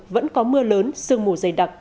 vẫn có mưa lớn sương mù dày đặc